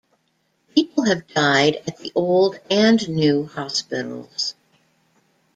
People have died at the old and new hospitals.